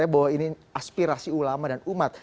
bahwa ini aspirasi ulama dan umat